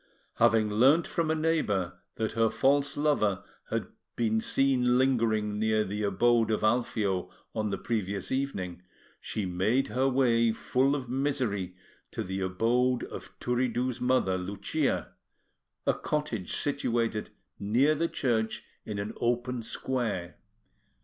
Having learnt from a neighbour that her false lover had been seen lingering near the abode of Alfio on the previous evening, she made her way, full of misery, to the abode of Turiddu's mother, Lucia, a cottage situated near the church in an open square.